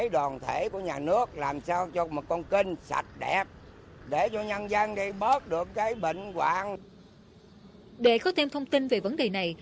để có thêm thông tin về vấn đề này